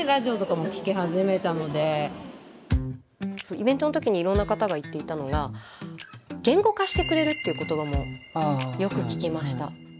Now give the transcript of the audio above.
イベントの時にいろんな方が言っていたのが言語化してくれるっていう言葉もよく聞きました。